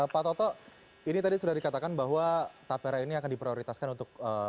pak toto ini tadi sudah dikatakan bahwa tapera ini akan diprioritaskan untuk